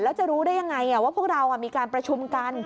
แล้วจะรู้ได้ยังไงว่าพวกเรามีการประชุมกัน